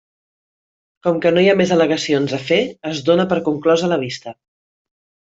Com que no hi ha més al·legacions a fer, es dóna per conclosa la vista.